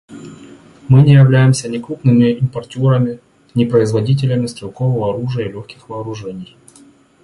Мы не являемся ни крупными импортерами, ни производителями стрелкового оружия и легких вооружений.